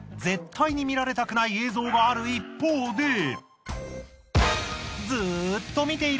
絶対に見られたくない映像がある一方で。